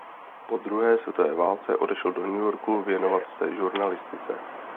Po druhé světové válce odešel do New Yorku věnovat se žurnalistice.